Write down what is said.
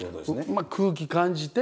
まあ空気感じて。